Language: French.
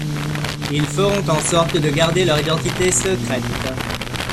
Ils feront en sorte de garder leur identité secrète.